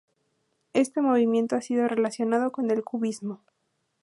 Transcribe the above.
Este movimiento ha sido relacionado con el cubismo.